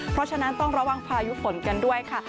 เพราะฉะนั้นต้องระวังพายุฝนกันด้วยค่ะ